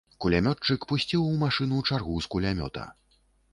Кулямётчык пусціў у машыну чаргу з кулямёта.